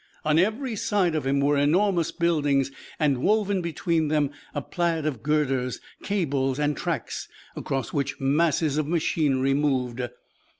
On every side of him were enormous buildings and woven between them a plaid of girders, cables, and tracks across which masses of machinery moved.